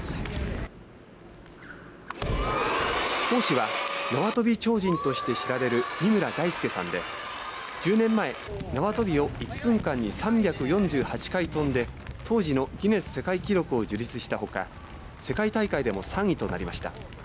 講師は縄跳び超人として知られる三村大輔さんで１０年前、縄跳びを１分間に３４８回跳んで当時のギネス世界記録を樹立したほか世界大会でも３位となりました。